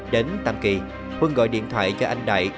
đến tam kỳ quân gọi điện thoại cho anh đại